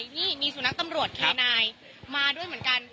นี่มีสุนัขตำรวจเคนายมาด้วยเหมือนกัน